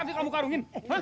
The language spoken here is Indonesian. tapi kamu karungin